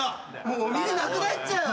もうお水なくなっちゃう。